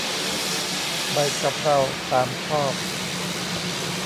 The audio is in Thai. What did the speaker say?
ใบกะเพรา ตามชอบ